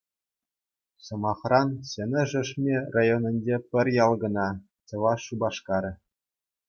Сӑмахран, Ҫӗнӗ Шешме районӗнче пӗр ял кӑна — Чӑваш Шупашкарӗ.